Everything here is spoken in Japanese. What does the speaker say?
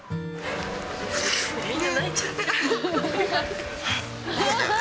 みんな泣いちゃってるから。